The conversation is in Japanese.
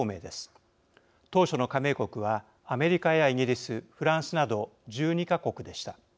当初の加盟国はアメリカやイギリスフランスなど１２か国でした。